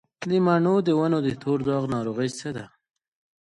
د مڼو د ونو د تور داغ ناروغي څه ده؟